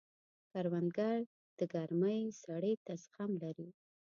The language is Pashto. کروندګر د ګرمۍ سړې ته زغم لري